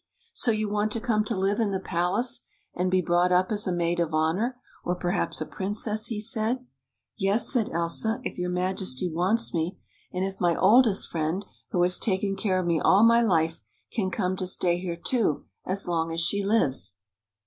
" So you want to come to live in the palace, and be brought up as a maid of honor, or perhaps a princess?" he said. " Yes," said Elsa, " if your Majesty wants me, and 103 THE FOREST FULL OF FRIENDS if my oldest friend, who has taken care of me all my life, can come to stay here, too, as long as she lives."